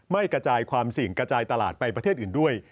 ไม่กระจายความเสี่ยงกระจายตลาดไปประเทศอื่นด้วย